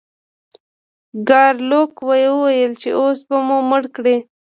ګارلوک وویل چې اوس به مو مړه کړئ.